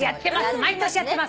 毎年やってます。